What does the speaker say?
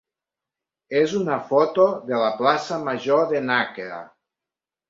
és una foto de la plaça major de Nàquera.